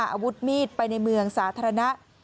อาวุธมีดไปในเมืองสาธารณะ